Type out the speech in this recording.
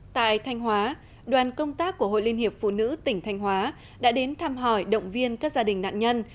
tại thanh hóa đoàn công tác của hội liên hiệp phụ nữ tỉnh thanh hóa đã đến thăm hỏi động viên các gia đình nạn nhân